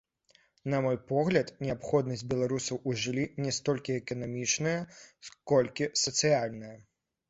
На мой погляд, неабходнасць беларусаў у жыллі не столькі эканамічная, колькі сацыяльная.